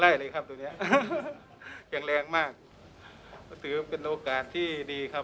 ได้เลยครับตัวเนี้ยแข็งแรงมากก็ถือเป็นโอกาสที่ดีครับ